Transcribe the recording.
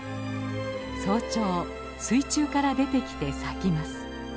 早朝水中から出てきて咲きます。